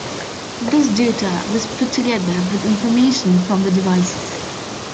This data was put together with information from the devices.